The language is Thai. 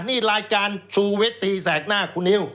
นี่รายการชูวิตตีแสกหน้าคุณนิว